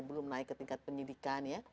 belum naik ke tingkat penyidikan ya